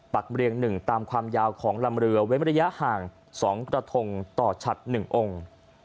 เรียง๑ตามความยาวของลำเรือเว้นระยะห่าง๒กระทงต่อฉัด๑องค์